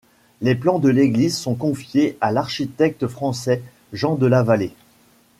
Les plans de l'église sont confiés à l'architecte français Jean de la Vallée.